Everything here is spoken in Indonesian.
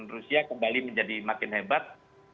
rusia kembali menjadi makin hebat